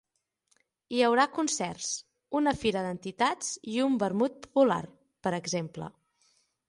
Hi haurà concerts, una fira d’entitats i un vermut popular, per exemple.